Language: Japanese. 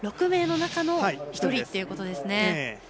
６名の中の１人ってことですね。